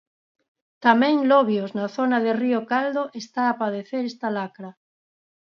Tamén Lobios, na zona de Río Caldo, está a padecer esta lacra.